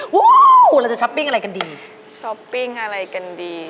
ว้าวเราจะช้อปปิ้งอะไรกันดีช้อปปิ้งอะไรกันดี